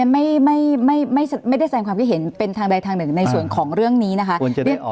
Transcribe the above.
ไม่ได้ค่ะเรียนไม่ได้แสนความคิดเห็นเป็นทางใดทางหนึ่งในส่วนของเรื่องนี้นะคะ